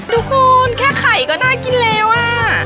ดูคุณแค่ไข่ก็น่ากินแล้วอ่ะ